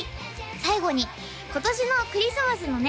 最後に今年のクリスマスのね